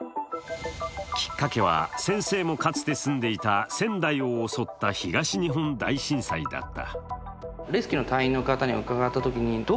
きっかけは先生もかつて住んでいた仙台を襲った東日本大震災だった。